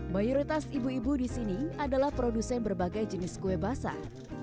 mayoritas ibu ibu di sini adalah produsen berbagai jenis kue basah